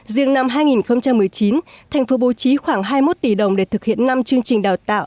riêng năm hai nghìn một mươi chín thành phố bố trí khoảng hai mươi một tỷ đồng để thực hiện năm chương trình đào tạo